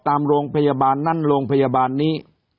ตามโรงพยาบาลนั้นโรงพยาบาลนี้